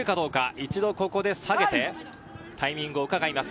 一度ここで下げて、タイミングを伺います。